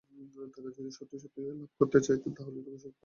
তাঁরা যদি সত্যি সত্যি লাভ করতে চাইতেন, তাহলে খুশি হতাম আমরা।